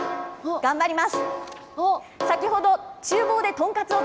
頑張ります。